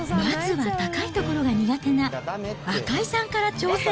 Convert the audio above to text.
まずは高い所が苦手な赤井さんから挑戦。